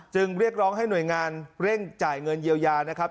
เรียกร้องให้หน่วยงานเร่งจ่ายเงินเยียวยานะครับ